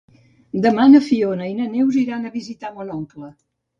Demà na Fiona i na Neus iran a visitar mon oncle.